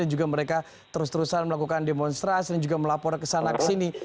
dan juga mereka terus terusan melakukan demonstrasi dan juga melapor kesana kesini